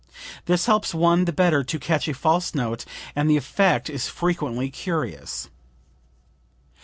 This helps one the better to catch a false note, and the effect is frequently curious."